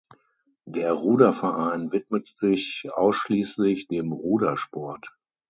Der Ruderverein widmet sich ausschließlich dem Rudersport.